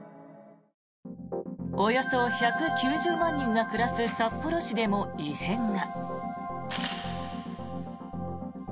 およそ１９０万人が暮らす札幌市でも異変が。